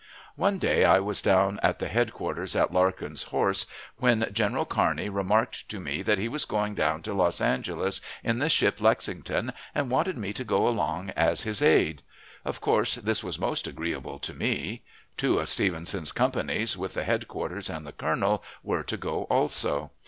One day I was down at the headquarters at Larkin's horse, when General Kearney remarked to me that he was going down to Los Angeles in the ship Lexington, and wanted me to go along as his aide. Of course this was most agreeable to me. Two of Stevenson's companies, with the headquarters and the colonel, were to go also.